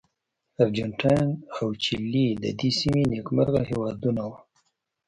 ارجنټاین او چیلي د دې سیمې نېکمرغه هېوادونه وو.